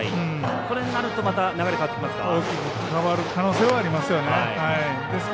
こうなると流れ変わってきますか。